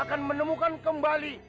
dan menemukan kembali